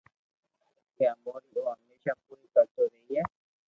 ڪہ اموري او ھميسہ پوري ڪرتو رھئي